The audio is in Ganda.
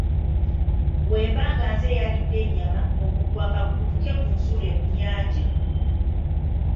Wemba nga nze eyalidde ennyama , omuguwa kagukutuke gu nsuule mu nnyanja.